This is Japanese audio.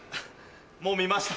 もう見ました。